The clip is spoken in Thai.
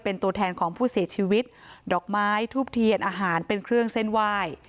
เป็นตัวแทนของผู้เสียชีวิตดอกไม้ทูบเทียนอาหารเป็นเครื่องเส้นไหว้